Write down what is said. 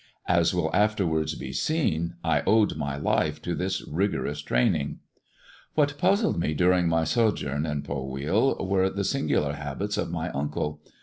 As will afterwards be seen, I owed my life to this rigorjus training. What puzzled me during my sojourn at Pol wheal were the singular habits of my uncle.